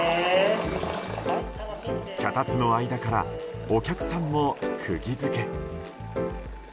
脚立の間からお客さんも釘付け。